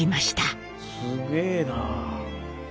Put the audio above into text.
すげえなあ。